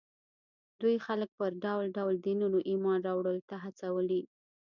دوی خلک پر ډول ډول دینونو ایمان راوړلو ته هڅولي